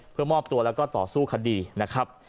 เพื่อมอบตัวแล้วก็ต่อสู้คดีนะครับ